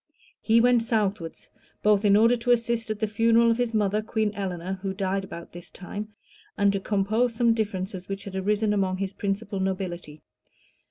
He went southwards, both in order to assist at the funeral of his mother, Queen Eleanor, who died about this time, and to compose some differences which had arisen among his principal nobility.